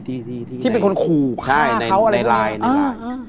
ที่เป็นคนคู่ฆ่าเขาอะไรแบบนี้